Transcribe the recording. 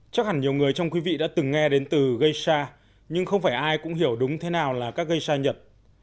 chắc hẳn nhiều người trong quý vị đã từng nghe đến từ geisha nhưng không phải ai cũng hiểu đúng thế nào là các geisha nhật